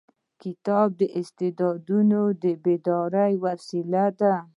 کتاب د استعدادونو د بیدارۍ وسیله ده.